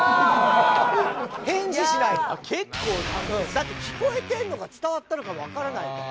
だって聞こえてるのか伝わったのかわからないから。